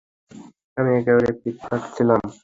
আমি একেবারে ফিটফাট ছিলাম।